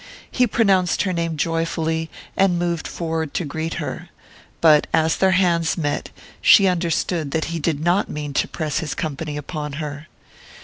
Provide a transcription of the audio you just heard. He pronounced her name joyfully, and moved forward to greet her; but as their hands met she understood that he did not mean to press his company upon her.